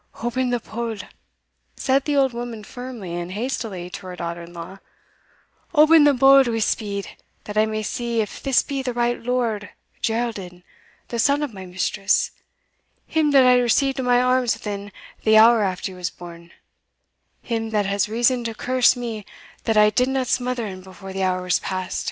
"Open the bole," said the old woman firmly and hastily to her daughter in law, "open the bole wi' speed, that I may see if this be the right Lord Geraldin the son of my mistress him that I received in my arms within the hour after he was born him that has reason to curse me that I didna smother him before the hour was past!"